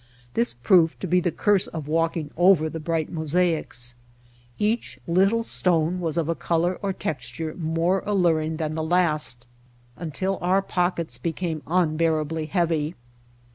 This proved to be the curse of walking over the bright mosaics. Each little stone was of a color or texture more alluring than the last until our pockets became unbear ably heavy.